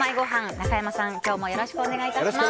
中山さん、今日もよろしくお願いします。